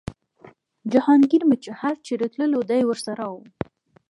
جهانګیر به چې هر چېرې تللو دی ورسره و.